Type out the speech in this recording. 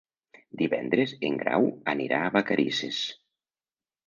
Divendres en Grau anirà a Vacarisses.